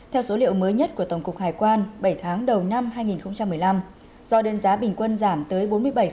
theo số liệu mới nhất của tổng cục hải quan bảy tháng đầu năm hai nghìn một mươi năm do đơn giá bình quân giảm tới bốn mươi bảy